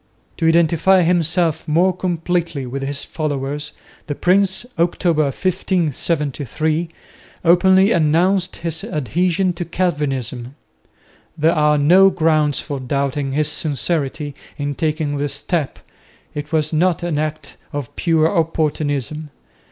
To identify himself more completely with his followers, the prince, October, 1573, openly announced his adhesion to Calvinism. There are no grounds for doubting his sincerity in taking this step; it was not an act of pure opportunism.